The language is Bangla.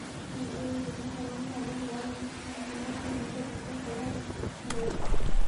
এর জন্য মরণ ফাঁদের ন্যায় এক সংকীর্ণ সুড়ঙ্গ অতিক্রম করা আবশ্যক ছিল।